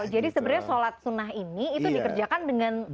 jadi sebenarnya sholat sunnah ini itu dikerjakan dengan relax ya